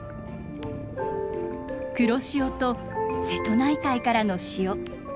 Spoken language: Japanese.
黒潮と瀬戸内海からの潮。